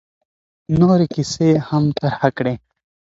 نورې کیسې یې هم طرحه کړې.